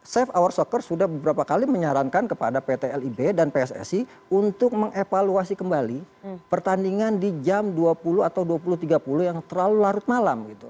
safe hour soccer sudah beberapa kali menyarankan kepada pt lib dan pssi untuk mengevaluasi kembali pertandingan di jam dua puluh atau dua puluh tiga puluh yang terlalu larut malam gitu